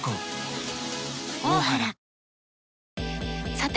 さて！